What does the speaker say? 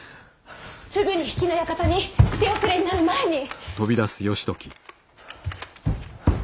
すぐに比企の館に手遅れになる前に！